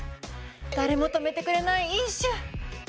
誰も止めてくれない飲酒。